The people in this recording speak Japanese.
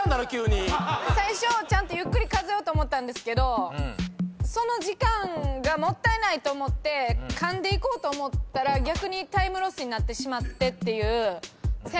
最初ちゃんとゆっくり数えようと思ったんですけどその時間がもったいないと思って勘でいこうと思ったら逆にタイムロスになってしまってっていう戦法ミスというか。